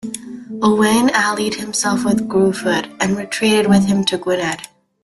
Owain allied himself with Gruffudd, and retreated with him to Gwynedd.